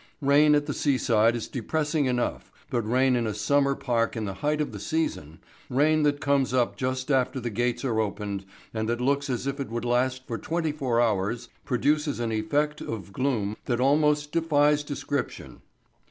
Rain at the seaside is depressing enough, but rain in a summer park in the height of the season, rain that comes up just after the gates are opened and that looks as if it would last for twenty four hours, produces an effect of gloom that almost defies description.